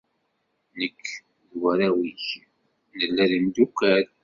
Nekk d warraw-ik, nella d imdukal.